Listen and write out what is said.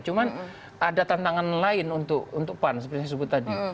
cuman ada tantangan lain untuk pan seperti saya sebut tadi